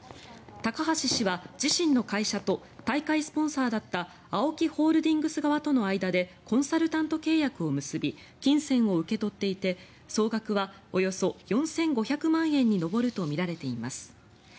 高橋氏は自身の会社と大会スポンサーだったＡＯＫＩホールディングス側との間でコンサルタント契約を結び金銭を受け取っていて総額はおよそ４５００万円に上るとみられています。